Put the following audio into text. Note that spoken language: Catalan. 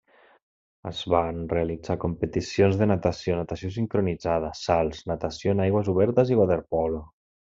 Es van realitzar competicions de natació, natació sincronitzada, salts, natació en aigües obertes i waterpolo.